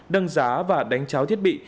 đâng giá và đánh cháo thiết bị